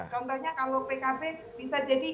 contohnya kalau pkb bisa jadi